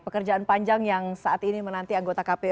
pekerjaan panjang yang saat ini menanti anggota kpu